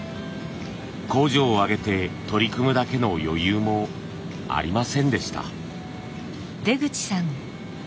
工場を挙げて取り組むだけの余裕もありませんでした。